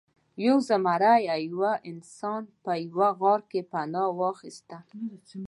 یو زمری او یو انسان په یوه غار کې پناه واخیسته.